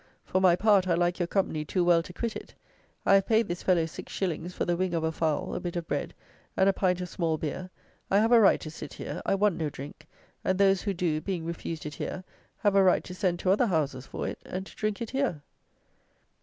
For my part, I like your company too well to quit it. I have paid this fellow six shillings for the wing of a fowl, a bit of bread, and a pint of small beer. I have a right to sit here; I want no drink, and those who do, being refused it here, have a right to send to other houses for it, and to drink it here."